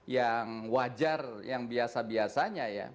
yang wajar yang biasa biasanya ya